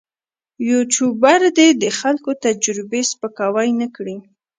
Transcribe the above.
یوټوبر دې د خلکو تجربې سپکاوی نه کړي.